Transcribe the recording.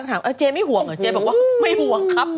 ถามเจ๊ไม่ห่วงเหรอเจ๊บอกว่าไม่ห่วงครับ